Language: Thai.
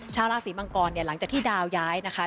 ชาวราศีมังกรเนี่ยหลังจากที่ดาวย้ายนะคะ